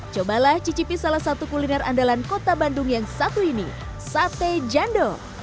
cobalah cicipi salah satu kuliner andalan kota bandung yang satu ini sate jando